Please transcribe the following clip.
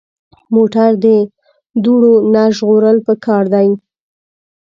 موټر د دوړو نه ژغورل پکار دي.